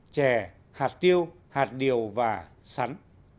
chè hạt tiêu hạt điều và sắn